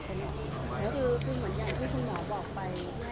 สวัสดีคุณครับ